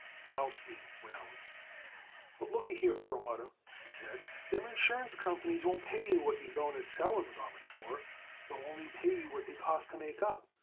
Blaustein frowned. "But look a here, Perlmutter," he said: "them insurance companies won't pay you what you were going to sell them garments for. They'll only pay you what they cost to make up.